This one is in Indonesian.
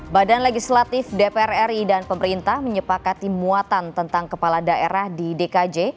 badan legislatif dpr ri dan pemerintah menyepakati muatan tentang kepala daerah di dkj